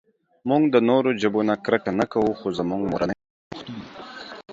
مونږ د نورو ژبو نه کرکه نهٔ کوؤ خو زمونږ مورنۍ ژبه پښتو ده